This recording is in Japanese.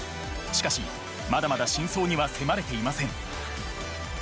しかしまだまだ真相には迫れていません